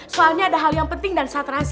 soalnya ada hal yang penting dan satu rahasia